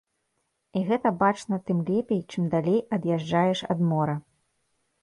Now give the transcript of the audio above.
І гэта бачна тым лепей, чым далей ад'язджаеш ад мора.